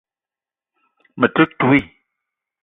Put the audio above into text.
Me te ntouii